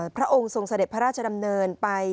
พระองค์ทรงเสด็จพระราชดำเนินไป